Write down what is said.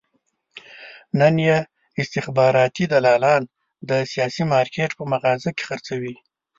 نن یې استخباراتي دلالان د سیاسي مارکېټ په مغازه کې خرڅوي.